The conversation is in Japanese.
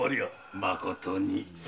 まことに。